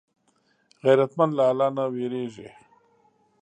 غیرتمند له الله نه وېرېږي